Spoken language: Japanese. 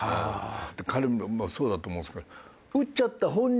で彼もそうだと思うんですけど。